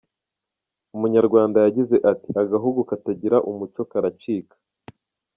Umunyarwanda yagize ati ‘Agahugu katagira umuco karacika’.